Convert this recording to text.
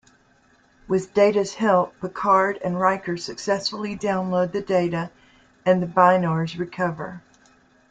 With Data's help, Picard and Riker successfully download the data, and the Bynars recover.